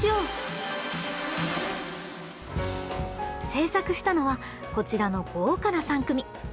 制作したのはこちらの豪華な３組！